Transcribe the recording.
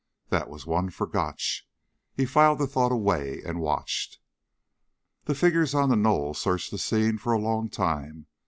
That was one for Gotch. He filed the thought away and watched. The figures on the knoll searched the scene for a long time.